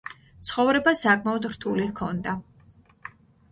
ცხოვრება საკმაოდ რთული ჰქონდა.